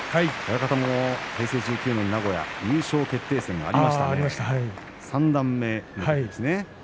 親方も平成１９年の名古屋優勝決定戦がありましたね三段目ですね。